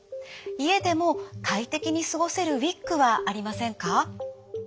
家でも快適に過ごせるウイッグはありませんか？」。